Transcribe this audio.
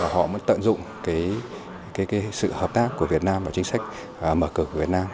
họ muốn tận dụng sự hợp tác của việt nam và chính sách mở cửa của việt nam